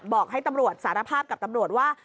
บอกให้ตำรวจสารภาพกับตำรวจว่า